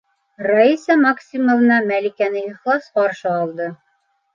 Раиса Максимовна Мәликәне ихлас ҡаршы алды: